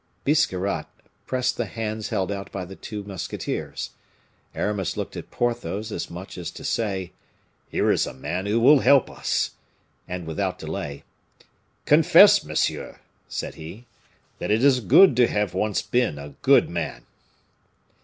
Biscarrat pressed the hands held out by the two musketeers. Aramis looked at Porthos as much as to say, "Here is a man who will help us," and without delay, "Confess, monsieur," said he, "that it is good to have once been a good man."